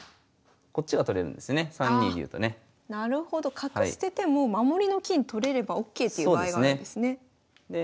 角捨てても守りの金取れればＯＫっていう場合があるんですね。